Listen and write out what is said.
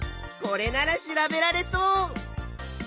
これなら調べられそう。